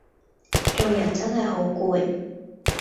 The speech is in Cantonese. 做人真係好攰